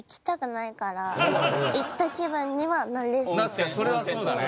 確かにそれはそうだね。